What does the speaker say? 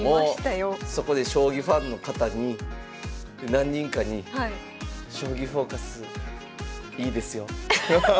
そこで将棋ファンの方に何人かに「『将棋フォーカス』いいですよ」。